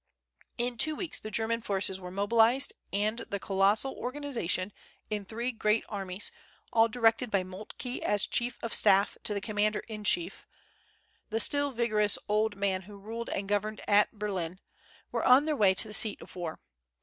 In two weeks the German forces were mobilized, and the colossal organization, in three great armies, all directed by Moltke as chief of staff to the commander in chief, the still vigorous old man who ruled and governed at Berlin, were on their way to the seat of war.